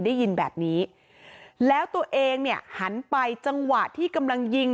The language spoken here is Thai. ได้ยินแบบนี้แล้วตัวเองเนี่ยหันไปจังหวะที่กำลังยิง